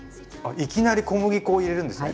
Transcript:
いきなり小麦粉を入れるんですね。